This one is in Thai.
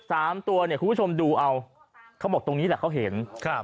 สามตัวเนี่ยคุณผู้ชมดูเอาเขาบอกตรงนี้แหละเขาเห็นครับ